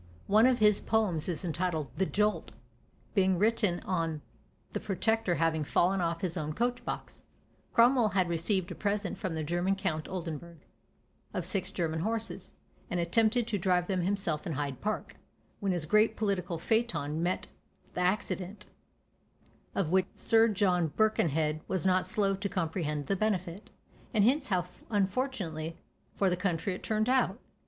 One of his poems is entitled "The Jolt," being written on the Protector having fallen off his own coach box: Cromwell had received a present from the German Count Oldenburgh, of six German horses, and attempted to drive them himself in Hyde Park, when this great political Phaeton met the accident, of which Sir John Birkenhead was not slow to comprehend the benefit, and hints how unfortunately for the country it turned out!